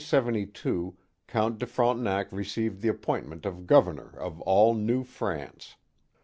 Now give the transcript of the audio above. In 1672 Count de Frontenac received the appointment of Governor of all New France.